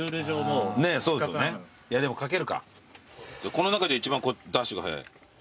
この中で一番ダッシュが速い。